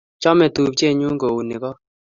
Chame tupchenyu ko uni kot